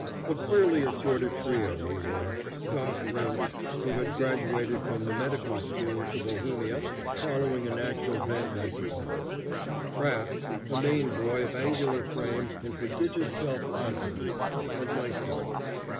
A queerly assorted trio we were: "Doc" Lynch, who had graduated from the medical school to Bohemia, following a natural bent, I suppose; Crafts, a Maine boy of angular frame and prodigious self confidence; and myself.